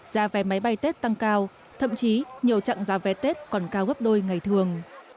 giá vé máy bay tết tăng cao thậm chí nhiều chặng giá vé tết còn cao gấp đôi ngày thường